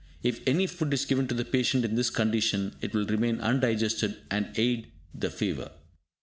If any food is given to the patient in this condition, it will remain undigested and aid the fever.